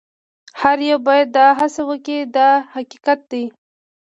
هر یو باید دا هڅه وکړي دا حقیقت دی.